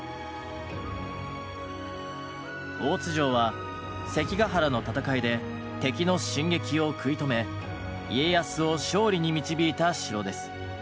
大津城は関ヶ原の戦いで敵の進撃を食い止め家康を勝利に導いた城です。